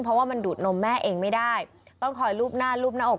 เพราะว่ามันดูดนมแม่เองไม่ได้ต้องคอยลูบหน้ารูปหน้าอก